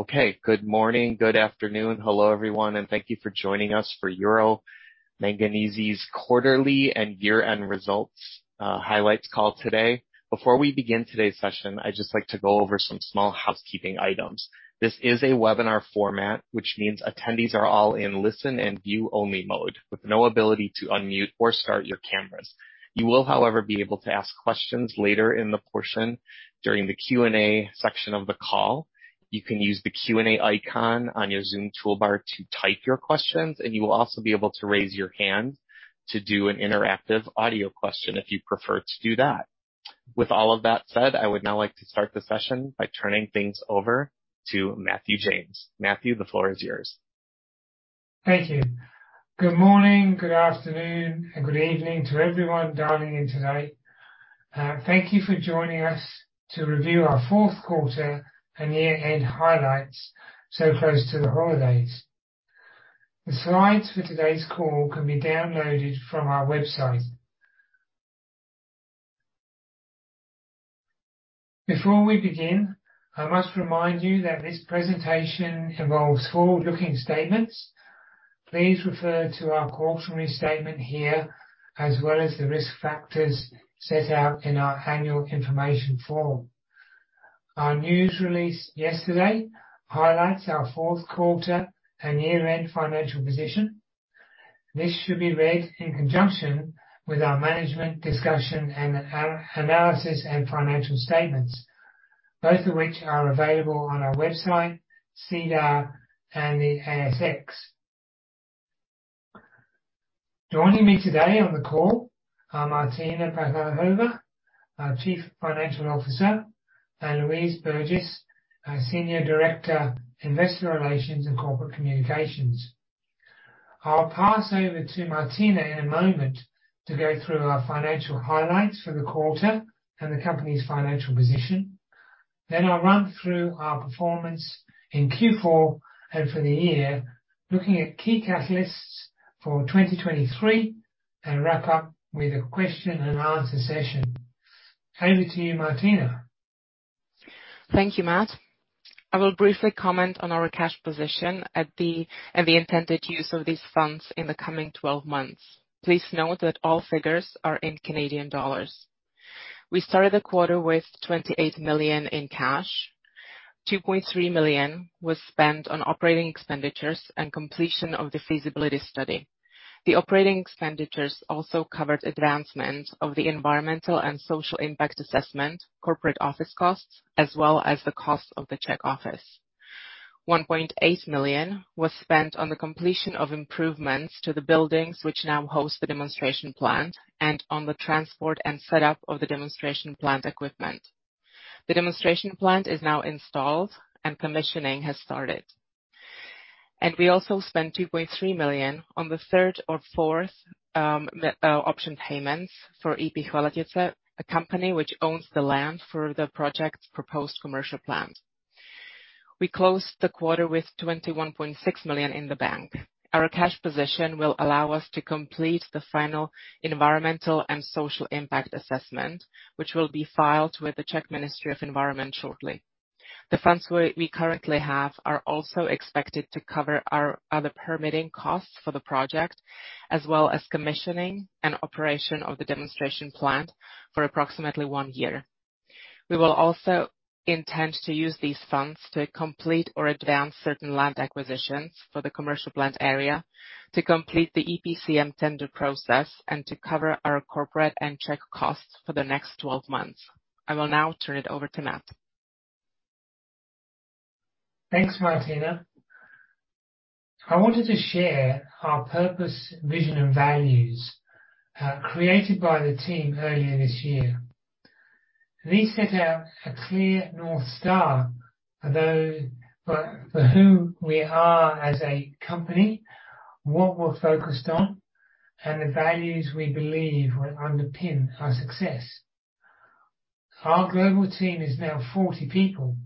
Okay. Good morning, good afternoon. Hello, everyone. Thank you for joining us for Euro Manganese's quarterly and year-end results highlights call today. Before we begin today's session, I'd just like to go over some small housekeeping items. This is a webinar format, which means attendees are all in listen and view-only mode with no ability to unmute or start your cameras. You will, however, be able to ask questions later in the portion during the Q&A section of the call. You can use the Q&A icon on your Zoom toolbar to type your questions. You will also be able to raise your hand to do an interactive audio question if you prefer to do that. With all of that said, I would now like to start the session by turning things over to Matthew James. Matthew, the floor is yours. Thank you. Good morning, good afternoon, and good evening to everyone dialing in today. Thank you for joining us to review our fourth quarter and year-end highlights so close to the holidays. The slides for today's call can be downloaded from our website. Before we begin, I must remind you that this presentation involves forward-looking statements. Please refer to our cautionary statement here, as well as the risk factors set out in our annual information form. Our news release yesterday highlights our fourth quarter and year-end financial position. This should be read in conjunction with our management discussion and analysis and financial statements, both of which are available on our website, SEDAR, and the ASX. Joining me today on the call are Martina Blahova, our Chief Financial Officer, and Louise Burgess, our Senior Director, Investor Relations and Corporate Communications. I'll pass over to Martina in a moment to go through our financial highlights for the quarter and the company's financial position. I'll run through our performance in Q4 and for the year, looking at key catalysts for 2023, and wrap up with a question and answer session. Over to you, Martina. Thank you, Matt. I will briefly comment on our cash position and the intended use of these funds in the coming 12 months. Please note that all figures are in Canadian dollars. We started the quarter with 28 million in cash. 2.3 million was spent on operating expenditures and completion of the Feasibility Study. The operating expenditures also covered advancement of the Environmental and Social Impact Assessment, corporate office costs, as well as the cost of the Czech office. 1.8 million was spent on the completion of improvements to the buildings which now host the demonstration plant and on the transport and setup of the demonstration plant equipment. The demonstration plant is now installed and commissioning has started. We also spent 2.3 million on the third or fourth option payments for EP Chvaletice, a company which owns the land for the project's proposed commercial plant. We closed the quarter with 21.6 million in the bank. Our cash position will allow us to complete the final Environmental and Social Impact Assessment, which will be filed with the Czech Ministry of Environment shortly. The funds we currently have are also expected to cover our other permitting costs for the project, as well as commissioning and operation of the demonstration plant for approximately one year. We will also intend to use these funds to complete or advance certain land acquisitions for the commercial plant area, to complete the EPCM tender process, and to cover our corporate and Czech costs for the next 12 months. I will now turn it over to Matt. Thanks, Martina. I wanted to share our purpose, vision, and values, created by the team earlier this year. These set out a clear North Star for who we are as a company, what we're focused on, and the values we believe will underpin our success. Our global team is now 40 people,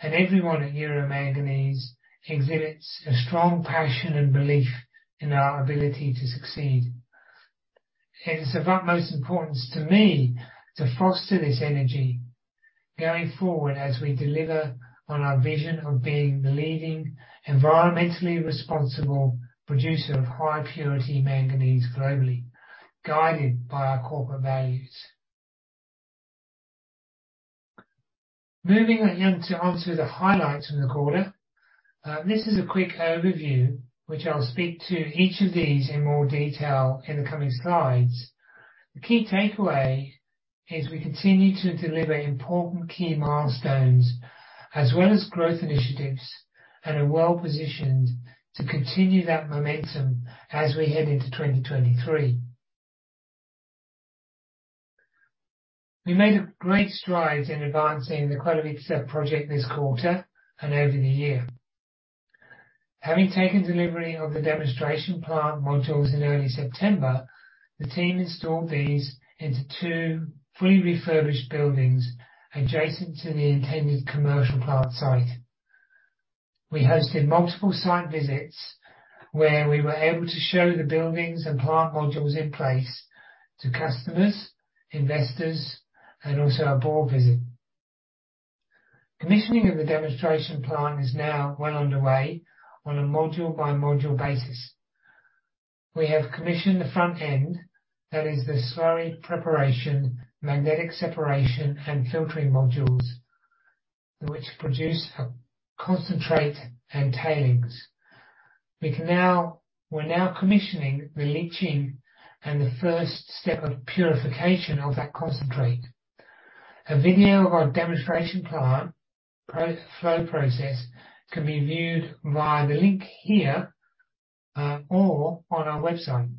and everyone at Euro Manganese exhibits a strong passion and belief in our ability to succeed. It is of utmost importance to me to foster this energy going forward as we deliver on our vision of being the leading environmentally responsible producer of high purity manganese globally, guided by our corporate values. Moving onto the highlights from the quarter. This is a quick overview, which I'll speak to each of these in more detail in the coming slides. The key takeaway is we continue to deliver important key milestones as well as growth initiatives, are well-positioned to continue that momentum as we head into 2023. We made great strides in advancing the Chvaletice project this quarter and over the year. Having taken delivery of the demonstration plant modules in early September, the team installed these into two pre-refurbished buildings adjacent to the intended commercial plant site. We hosted multiple site visits where we were able to show the buildings and plant modules in place to customers, investors, and also our board visit. Commissioning of the demonstration plant is now well underway on a module by module basis. We have commissioned the front end, that is the slurry preparation, magnetic separation and filtering modules which produce a concentrate and tailings. We're now commissioning the leaching and the first step of purification of that concentrate. A video of our demonstration plant flow process can be viewed via the link here or on our website.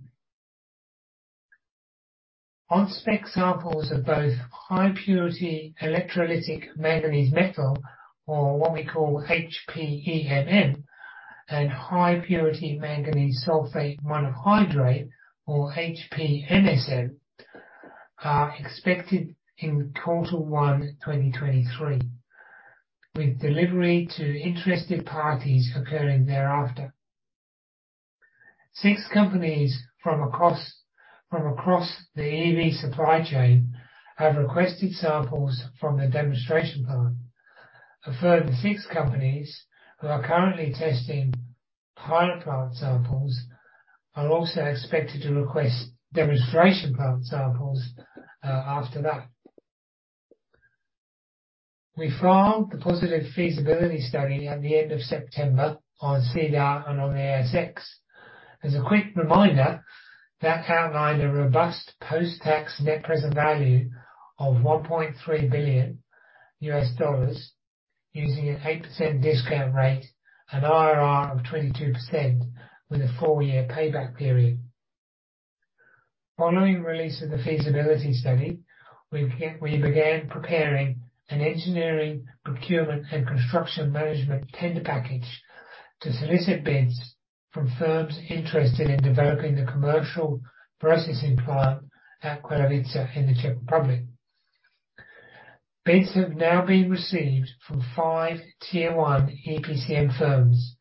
On-spec samples of both high purity electrolytic manganese metal, or what we call HPEMM, and high purity manganese sulfate monohydrate, or HPMSM, are expected in Q1 2023, with delivery to interested parties occurring thereafter. Six companies from across the EV supply chain have requested samples from the demonstration plant. A further six companies who are currently testing pilot plant samples are also expected to request demonstration plant samples after that. We filed the positive Feasibility Study at the end of September on SEDAR and on the ASX. As a quick reminder, that outlined a robust post-tax net present value of $1.3 billion US dollars using an 8% discount rate and IRR of 22% with a four-year payback period. Following release of the Feasibility Study, we began preparing an engineering, procurement and construction management tender package to solicit bids from firms interested in developing the commercial processing plant at Kralupy in the Czech Republic. Bids have now been received from five tier one EPCM firms,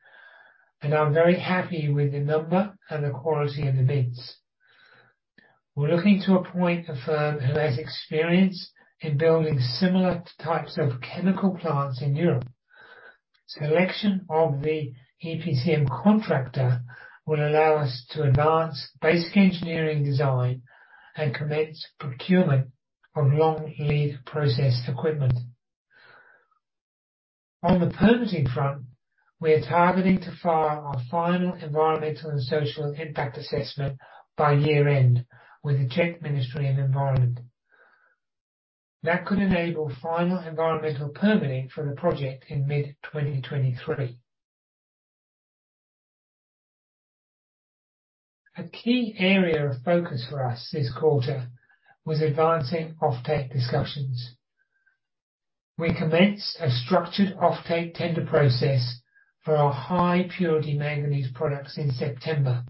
and I'm very happy with the number and the quality of the bids. We're looking to appoint a firm who has experience in building similar types of chemical plants in Europe. Selection of the EPCM contractor will allow us to advance basic engineering design and commence procurement of long lead process equipment. On the permitting front, we are targeting to file our final Environmental and Social Impact Assessment by year-end with the Czech Ministry of Environment. That could enable final environmental permitting for the project in mid 2023. A key area of focus for us this quarter was advancing offtake discussions. We commenced a structured offtake tender process for our high purity manganese products in September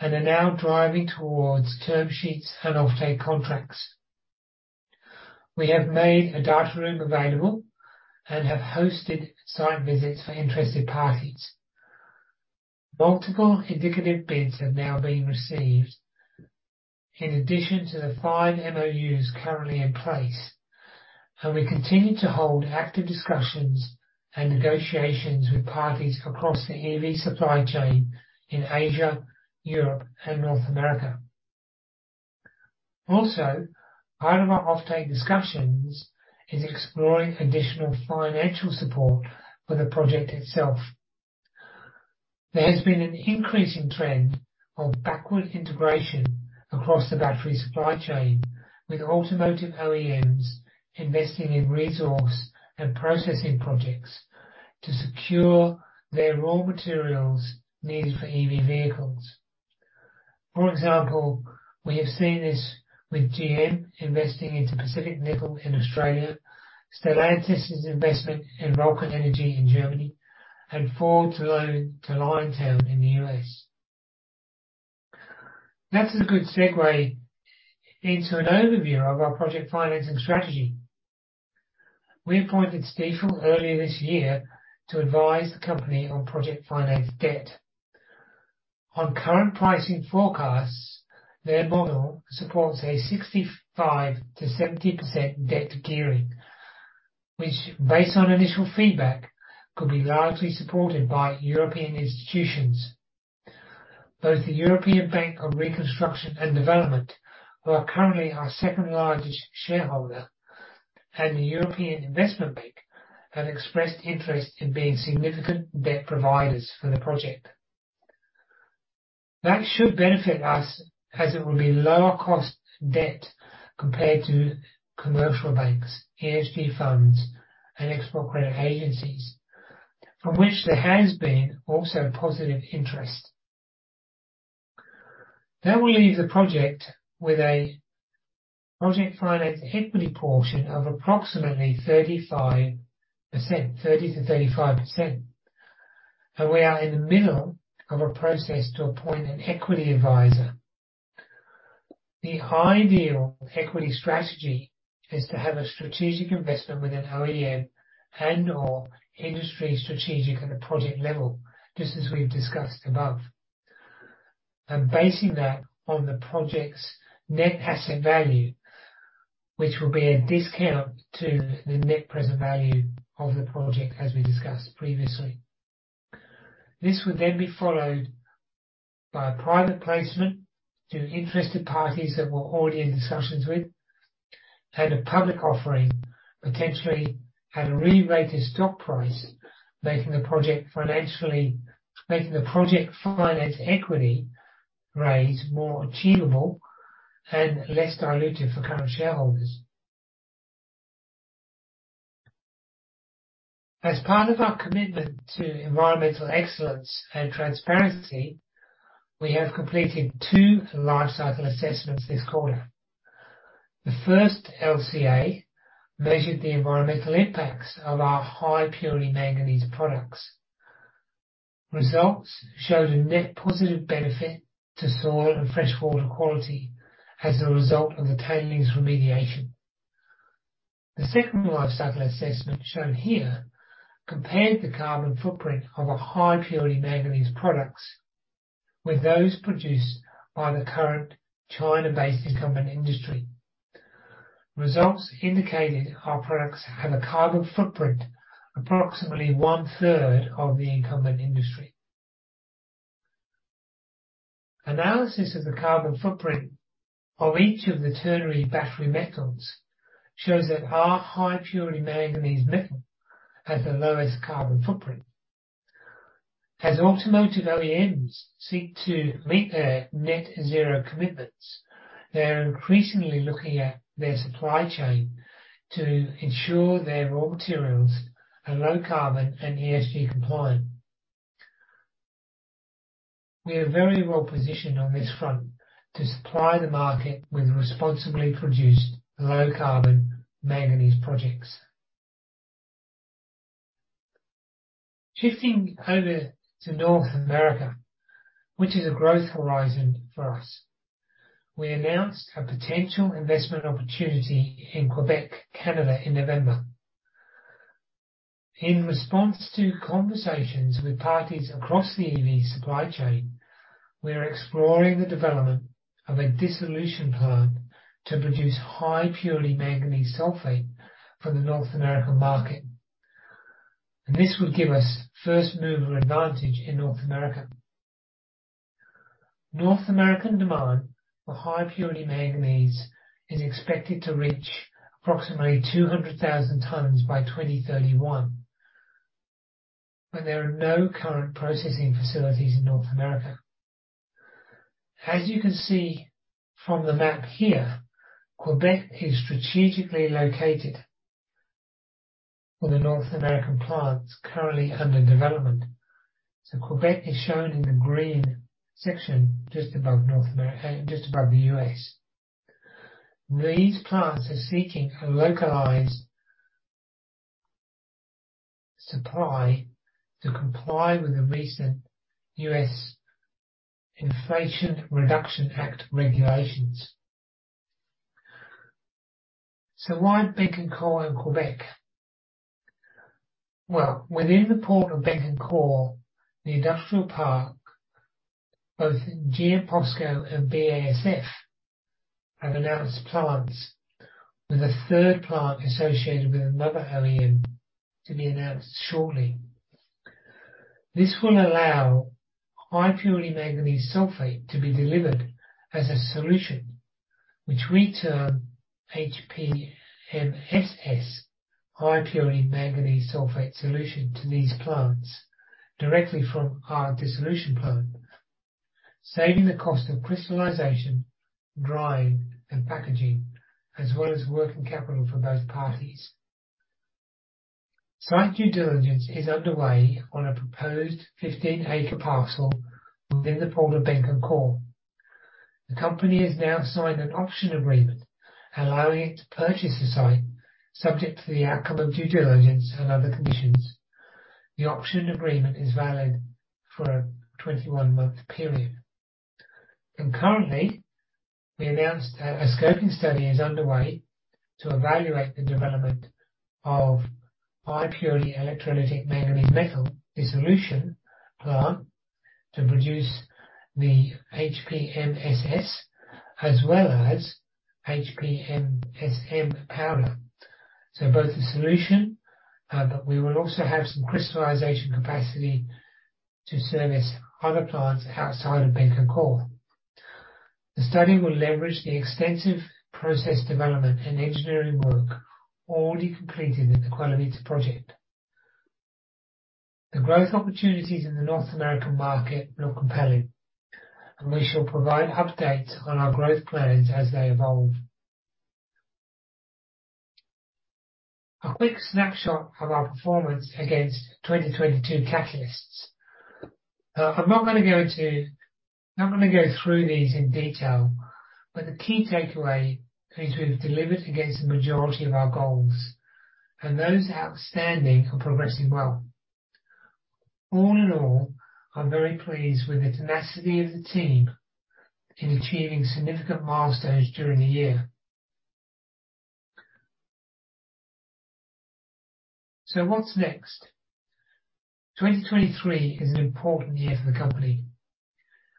and are now driving towards term sheets and offtake contracts. We have made a data room available and have hosted site visits for interested parties. Multiple indicative bids have now been received in addition to the 5 MOUs currently in place, we continue to hold active discussions and negotiations with parties across the EV supply chain in Asia, Europe, and North America. Part of our offtake discussions is exploring additional financial support for the project itself. There has been an increasing trend of backward integration across the battery supply chain, with automotive OEMs investing in resource and processing projects to secure their raw materials needed for EV vehicles. For example, we have seen this with GM investing into Pacific Nickel in Australia, Stellantis' investment in Vulcan Energy Resources in Germany, and Ford to Liontown in the U.S.. That's a good segue into an overview of our project financing strategy. We appointed Stifel earlier this year to advise the company on project finance debt. On current pricing forecasts, their model supports a 65%-70% debt to gearing, which based on initial feedback, could be largely supported by European institutions. Both the European Bank for Reconstruction and Development, who are currently our second-largest shareholder, and the European Investment Bank have expressed interest in being significant debt providers for the project. That should benefit us as it will be lower cost debt compared to commercial banks, ESG funds and export credit agencies from which there has been also positive interest. That will leave the project with a project finance equity portion of approximately 35%, 30%-35%. We are in the middle of a process to appoint an equity advisor. The ideal equity strategy is to have a strategic investment with an OEM and or industry strategic at the project level, just as we've discussed above. Basing that on the project's net asset value, which will be a discount to the net present value of the project as we discussed previously. This would then be followed by a private placement to interested parties that we're already in discussions with, and a public offering, potentially at a rerated stock price, making the project finance equity raise more achievable and less dilutive for current shareholders. As part of our commitment to environmental excellence and transparency, we have completed two life cycle assessments this quarter. The first LCA measured the environmental impacts of our high purity manganese products. Results showed a net positive benefit to soil and fresh water quality as a result of the tailings remediation. The second life cycle assessment shown here compared the carbon footprint of a high purity manganese products with those produced by the current China-based incumbent industry. Results indicated our products have a carbon footprint approximately 1/3 of the incumbent industry. Analysis of the carbon footprint of each of the ternary battery metals shows that our high purity manganese metal has the lowest carbon footprint. As automotive OEMs seek to meet their net zero commitments, they are increasingly looking at their supply chain to ensure their raw materials are low carbon and ESG compliant. We are very well positioned on this front to supply the market with responsibly produced low carbon manganese projects. Shifting over to North America, which is a growth horizon for us, we announced a potential investment opportunity in Quebec, Canada in November. In response to conversations with parties across the EV supply chain, we are exploring the development of a dissolution plant to produce high purity manganese sulfate for the North American market. This will give us first-mover advantage in North America. North American demand for high purity manganese is expected to reach approximately 200,000 tons by 2031, and there are no current processing facilities in North America. As you can see from the map here, Quebec is strategically located for the North American plants currently under development. Quebec is shown in the green section just above North America, just above the U.S. These plants are seeking a localized supply to comply with the recent U.S. Inflation Reduction Act regulations. Why Bécancour in Quebec? Well, within the port of Bécancour, the industrial park, both POSCO and BASF have announced plants, with a third plant associated with another OEM to be announced shortly. This will allow high purity manganese sulfate to be delivered as a solution, which we term HPMSS, high purity manganese sulfate solution to these plants directly from our dissolution plant, saving the cost of crystallization, drying, and packaging, as well as working capital for both parties. Site due diligence is underway on a proposed 15-acre parcel within the port of Bécancour. The company has now signed an option agreement allowing it to purchase the site subject to the outcome of due diligence and other conditions. The option agreement is valid for a 21-month period. Currently, we announced a scoping study is underway to evaluate the development of high purity electrolytic manganese metal dissolution plant to produce the HPMSS as well as HPMSM powder. Both the solution, but we will also have some crystallization capacity to service other plants outside of Bécancour. The study will leverage the extensive process development and engineering work already completed in the Chvaletice project. The growth opportunities in the North American market look compelling, and we shall provide updates on our growth plans as they evolve. A quick snapshot of our performance against 2022 catalysts. I'm not gonna go through these in detail, but the key takeaway is we've delivered against the majority of our goals and those outstanding are progressing well. All in all, I'm very pleased with the tenacity of the team in achieving significant milestones during the year. What's next? 2023 is an important year for the company.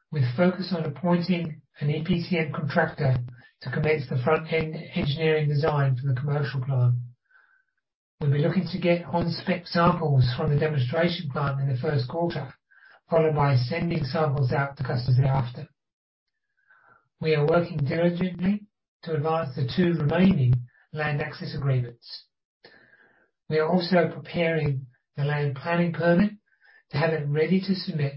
We're focused on appointing an EPCM contractor to commence the front-end engineering design for the commercial plant. We'll be looking to get on-spec samples from the demonstration plant in the first quarter, followed by sending samples out to customers thereafter. We are working diligently to advance the two remaining land access agreements. We are also preparing the land planning permit to have it ready to submit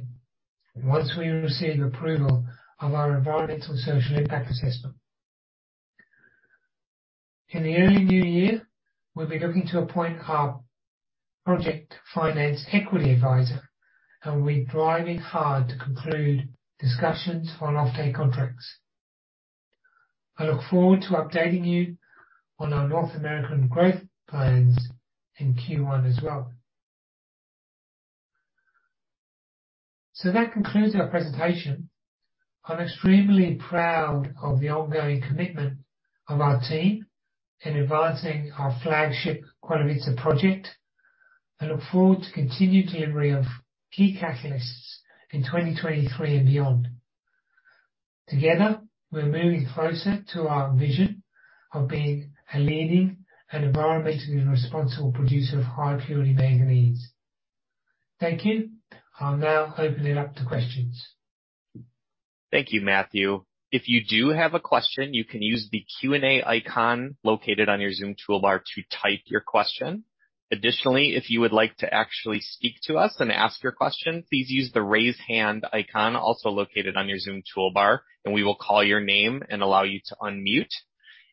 once we receive approval of our Environmental and Social Impact Assessment. In the early new year, we'll be looking to appoint our project finance equity advisor, and we're driving hard to conclude discussions on offtake contracts. I look forward to updating you on our North American growth plans in Q1 as well. That concludes our presentation. I'm extremely proud of the ongoing commitment of our team in advancing our flagship Chvaletice project and look forward to continued delivery of key catalysts in 2023 and beyond. Together, we're moving closer to our vision of being a leading and environmentally responsible producer of high purity manganese. Thank you. I'll now open it up to questions. Thank you, Matthew. If you do have a question, you can use the Q&A icon located on your Zoom toolbar to type your question. Additionally, if you would like to actually speak to us and ask your question, please use the Raise Hand icon, also located on your Zoom toolbar, and we will call your name and allow you to unmute.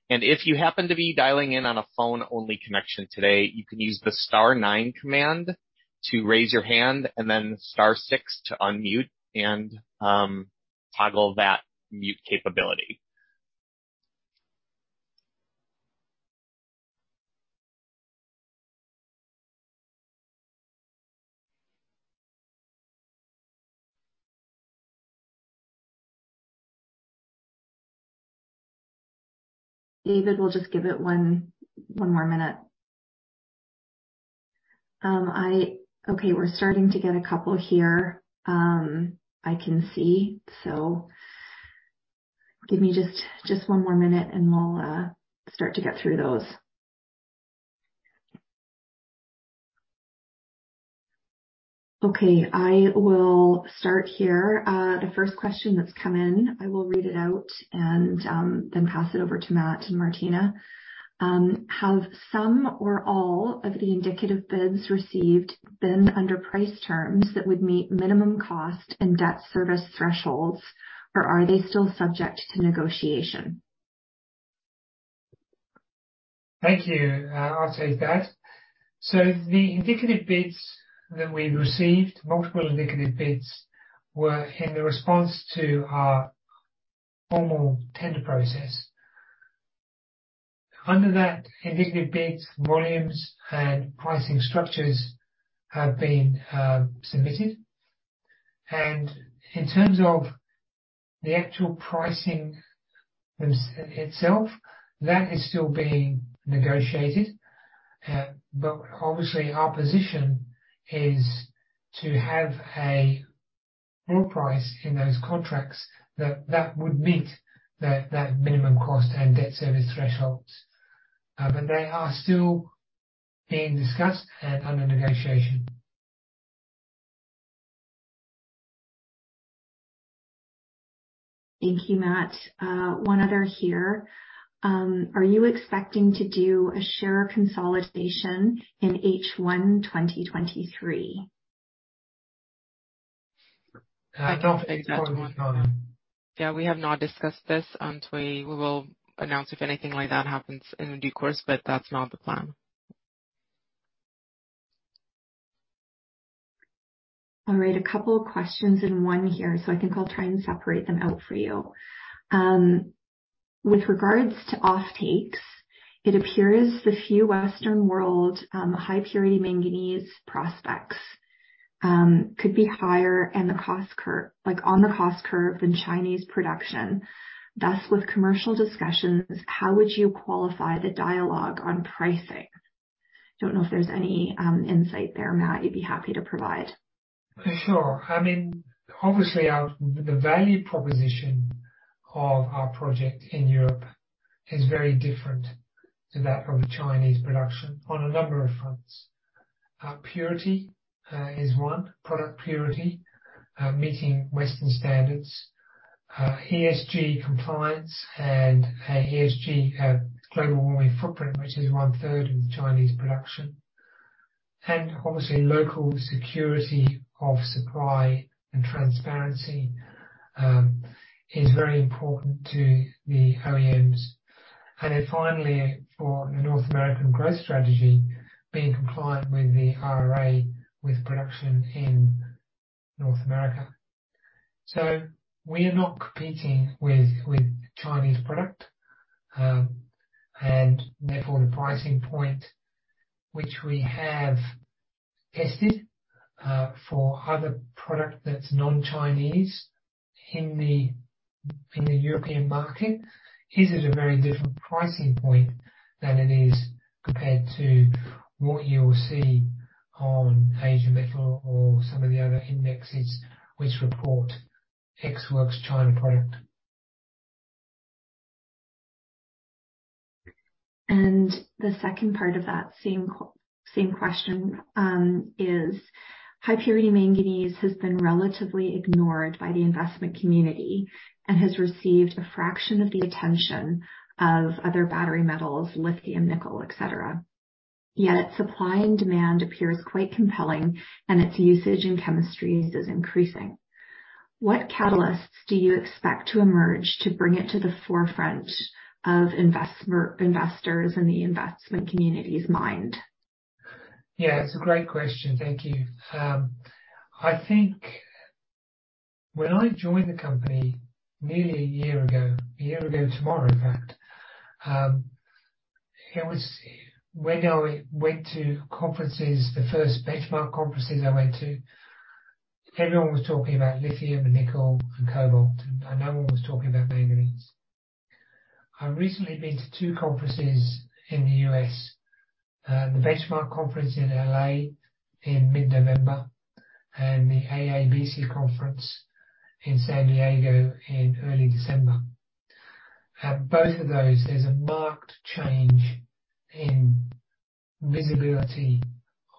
If you happen to be dialing in on a phone-only connection today, you can use the star nine command to raise your hand and then star six to unmute and toggle that mute capability. David, we'll just give it one more minute. Okay, we're starting to get a couple here, I can see. Give me just one more minute and we'll start to get through those. Okay. I will start here. The first question that's come in, I will read it out and then pass it over to Matt and Martina. Have some or all of the indicative bids received been under priced terms that would meet minimum cost and debt service thresholds or are they still subject to negotiation? Thank you. I'll take that. The indicative bids that we received, multiple indicative bids, were in the response to our formal tender process. Under that indicative bids, volumes and pricing structures have been submitted. In terms of the actual pricing itself, that is still being negotiated. Obviously our position is to have a raw price in those contracts that would meet that minimum cost and debt service thresholds. They are still being discussed and under negotiation. Thank you, Matt. One other here. Are you expecting to do a share consolidation in H1 2023? I don't think that's one. Yeah, we have not discussed this, and we will announce if anything like that happens in due course, but that's not the plan. All right. A couple of questions in one here, so I think I'll try and separate them out for you. With regards to offtakes, it appears the few Western world high purity manganese prospects could be higher on the cost curve than Chinese production. Thus, with commercial discussions, how would you qualify the dialogue on pricing? Don't know if there's any insight there, Matt, you'd be happy to provide. Sure. I mean, obviously the value proposition of our project in Europe is very different to that of a Chinese production on a number of fronts. Purity is one. Product purity, meeting Western standards, ESG compliance and ESG global warming footprint, which is one-third of the Chinese production. Obviously local security of supply and transparency is very important to the OEMs. Then finally, for the North American growth strategy, being compliant with the IRA, with production in North America. We are not competing with Chinese product. Therefore the pricing point which we have tested for other product that's non-Chinese in the European market is at a very different pricing point than it is compared to what you'll see on Asian Metal or some of the other indexes which report ExWorks China product. The second part of that same question is high purity manganese has been relatively ignored by the investment community and has received a fraction of the attention of other battery metals, lithium, nickel, et cetera. Yet its supply and demand appears quite compelling, and its usage in chemistries is increasing. What catalysts do you expect to emerge to bring it to the forefront of investors and the investment community's mind? Yeah, it's a great question. Thank you. I think when I joined the company nearly one year ago, one year ago tomorrow in fact, when I went to conferences, the first Benchmark conferences I went to, everyone was talking about lithium and nickel and cobalt, and no one was talking about manganese. I recently been to two conferences in the U.S., the Benchmark conference in L.A. in mid-November and the AABC conference in San Diego in early December. At both of those, there's a marked change in visibility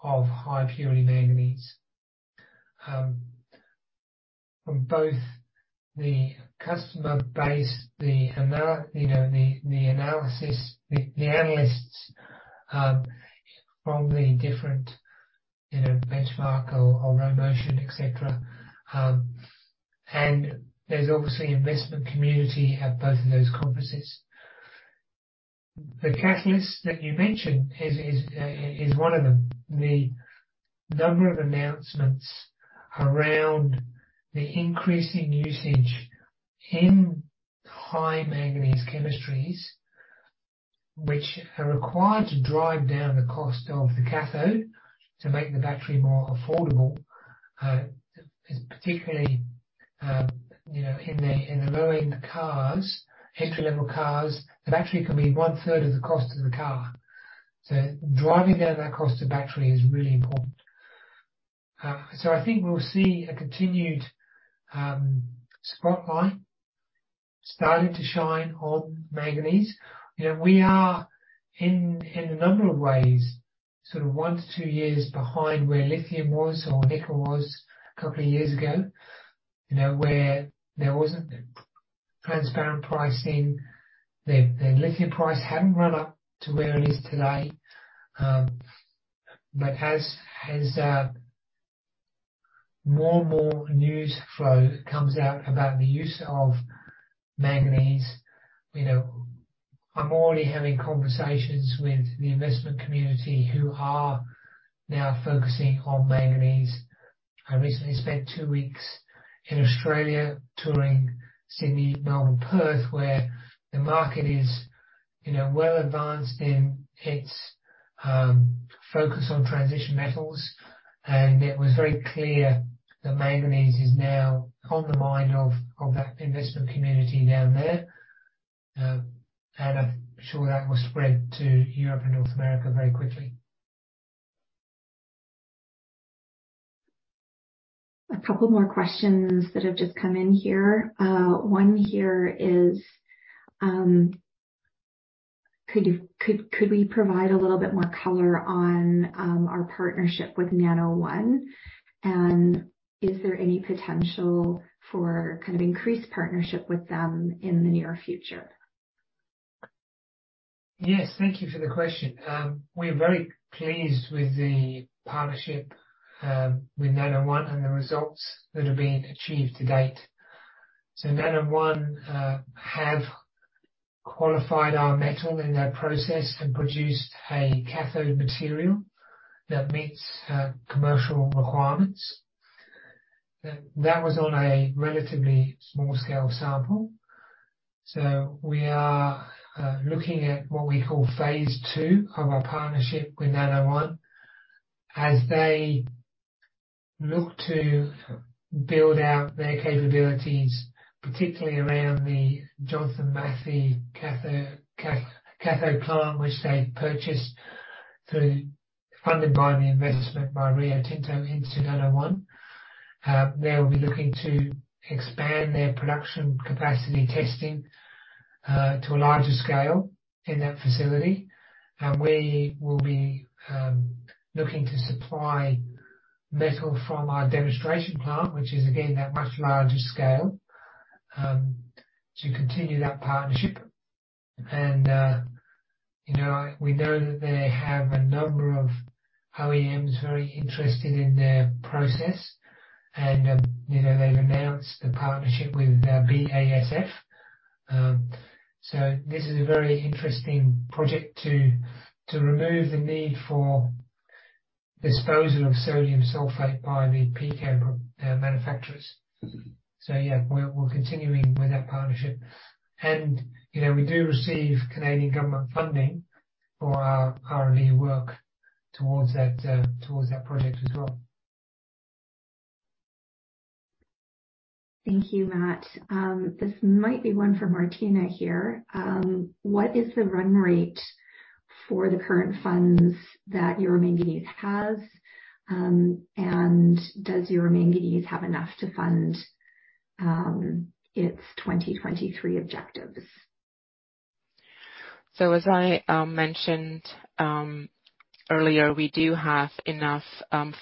of high purity manganese from both the customer base, you know, the analysis, the analysts, from the different, you know, Benchmark or Roskill, et cetera. There's obviously investment community at both of those conferences. The catalyst that you mentioned is one of them. The number of announcements around the increasing usage in high manganese chemistries, which are required to drive down the cost of the cathode to make the battery more affordable, is particularly, you know, in the, in the low-end cars, entry-level cars, the battery can be one-third of the cost of the car. Driving down that cost of battery is really important. I think we'll see a continued spotlight starting to shine on manganese. You know, we are in a number of ways, sort of one to two years behind where lithium was or nickel was a couple of years ago. You know, where there wasn't transparent pricing. The lithium price hadn't run up to where it is today. As more and more news flow comes out about the use of manganese, you know, I'm already having conversations with the investment community who are now focusing on manganese. I recently spent two weeks in Australia touring Sydney, Melbourne, Perth, where the market is, you know, well advanced in its focus on transition metals, and it was very clear that manganese is now on the mind of that investment community down there. I'm sure that will spread to Europe and North America very quickly. A couple more questions that have just come in here. One here is, could we provide a little bit more color on our partnership with Nano One, and is there any potential for kind of increased partnership with them in the near future? Yes. Thank you for the question. We're very pleased with the partnership with Nano One and the results that have been achieved to date. Nano One have qualified our metal in their process and produced a cathode material that meets commercial requirements. That was on a relatively small scale sample. We are looking at what we call phase two of our partnership with Nano One as they look to build out their capabilities, particularly around the Johnson Matthey cathode plant, which they purchased funded by the investment by Rio Tinto into Nano One. They'll be looking to expand their production capacity testing to a larger scale in that facility. We will be looking to supply metal from our demonstration plant, which is again that much larger scale to continue that partnership. You know, we know that they have a number of OEMs very interested in their process and, you know, they've announced the partnership with BASF. This is a very interesting project to remove the need for disposal of sodium sulfate by the PCAM manufacturers. Yeah, we're continuing with that partnership. you know, we do receive Canadian government funding for our R&D work towards that, towards that project as well. Thank you, Matt. This might be one for Martina here. What is the run rate for the current funds that Euro Manganese has? Does Euro Manganese have enough to fund its 2023 objectives? As I mentioned earlier, we do have enough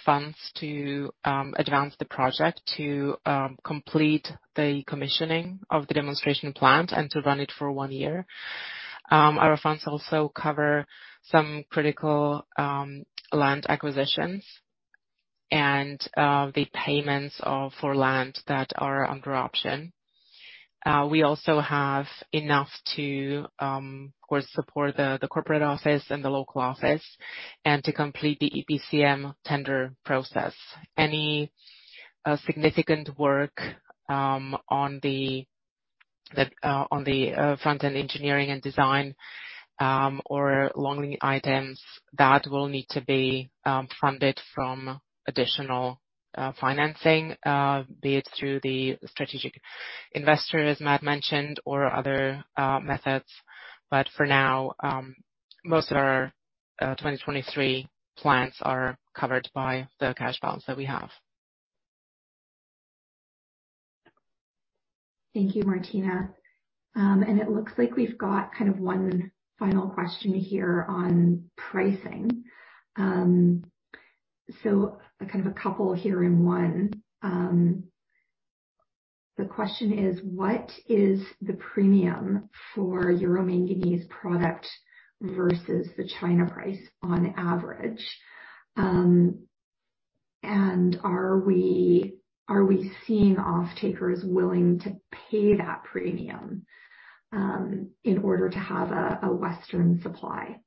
funds to advance the project to complete the commissioning of the demonstration plant and to run it for one year. Our funds also cover some critical land acquisitions and the payments for lands that are under option. We also have enough to, of course, support the corporate office and the local office and to complete the EPCM tender process. Any significant work on the front-end engineering and design or long lead items, that will need to be funded from additional financing, be it through the strategic investor, as Matt mentioned, or other methods. For now, most of our 2023 plans are covered by the cash balance that we have. Thank you, Martina. It looks like we've got kind of one final question here on pricing. Kind of a couple here in one. The question is: What is the premium for Euro Manganese product versus the China price on average? Are we seeing off-takers willing to pay that premium in order to have a Western supply?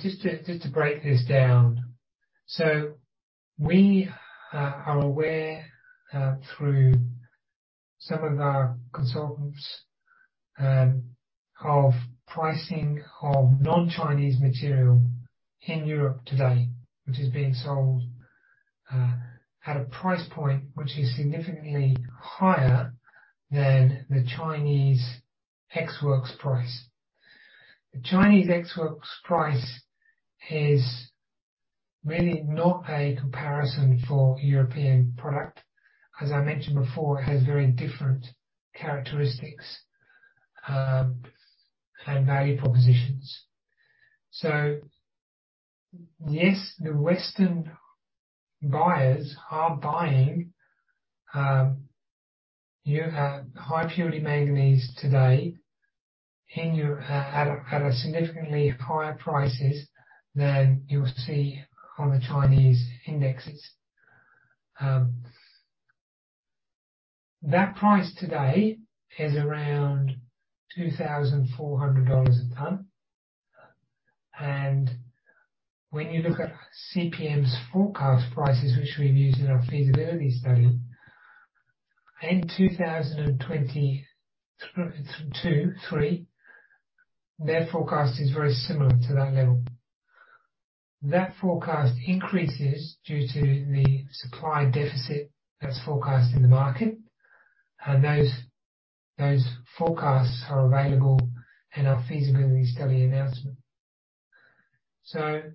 Just to break this down. We are aware through some of our consultants of pricing of non-Chinese material in Europe today, which is being sold at a price point which is significantly higher than the Chinese ex works price. The Chinese ex works price is really not a comparison for European product. As I mentioned before, it has very different characteristics and value propositions. Yes, the Western buyers are buying high purity manganese today in at a significantly higher prices than you'll see on the Chinese indexes. That price today is around $2,400 a ton. When you look at CPM's forecast prices, which we've used in our Feasibility Study, in 2023, their forecast is very similar to that level. That forecast increases due to the supply deficit that's forecast in the market. Those forecasts are available in our Feasibility Study announcement. The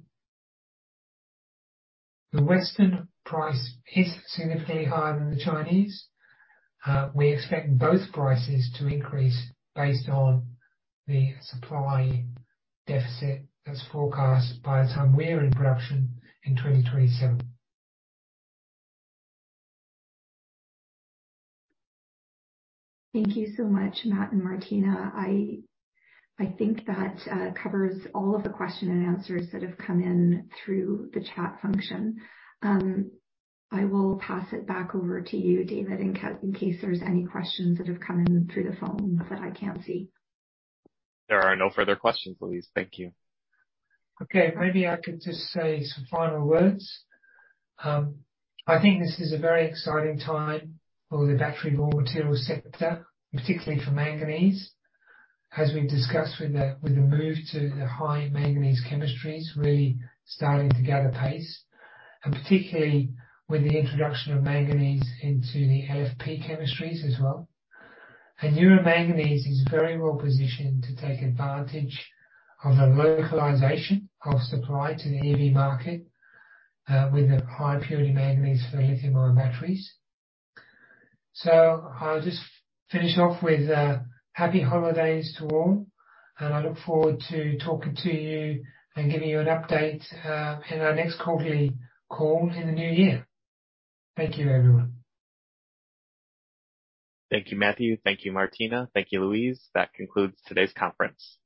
Western price is significantly higher than the Chinese. We expect both prices to increase based on the supply deficit that's forecast by the time we're in production in 2027. Thank you so much, Matt and Martina. I think that covers all of the question and answers that have come in through the chat function. I will pass it back over to you, David, in case there's any questions that have come in through the phone that I can't see. There are no further questions, Louise. Thank you. Okay. Maybe I could just say some final words. I think this is a very exciting time for the battery raw materials sector, particularly for manganese. As we've discussed with the move to the high manganese chemistries really starting to gather pace, and particularly with the introduction of manganese into the LFP chemistries as well. Euro Manganese is very well positioned to take advantage of the localization of supply to the EV market with the high purity manganese for lithium ion batteries. I'll just finish off with happy holidays to all, and I look forward to talking to you and giving you an update in our next quarterly call in the new year. Thank you, everyone. Thank you, Matthew. Thank you, Martina. Thank you, Louise. That concludes today's conference.